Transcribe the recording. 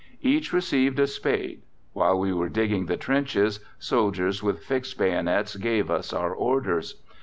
Each received a spade. While we were digging the trenches soldiers with fixed bayonets gave us our orders.